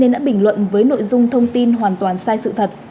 đã bình luận với nội dung thông tin hoàn toàn sai sự thật